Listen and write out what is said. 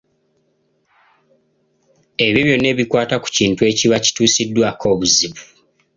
Ebyo byonna ebikwata ku kintu ekiba kituusiddwako obuzibu.